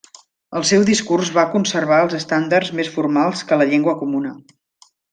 El seu discurs va conservar els estàndards més formals que la llengua comuna.